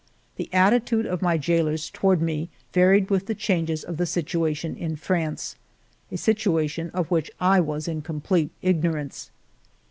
The attitude of my jailers toward me varied with the changes of the situation in France, — a situation of which I was in complete ignorance.